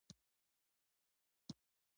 د حاصل خوندیتوب لپاره حشره وژونکي اړین دي.